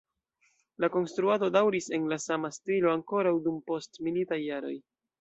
La konstruado daŭris en la sama stilo ankoraŭ dum postmilitaj jaroj.